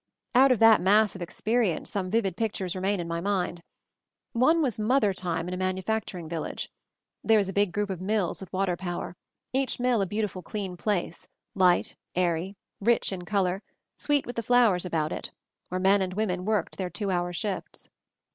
Out of that mass of experience some vivid pictures remain in my mind. One was "mother time" in a manufacturing village. There was a big group of mills with water power; each mill a beautiful, clean place, light, airy, rich in color, sweet with the 210 MOVING THE MOUNTAIN flowers about it, where men and women worked their two hour shifts.